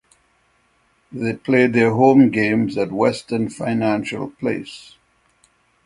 They play their home games at Western Financial Place.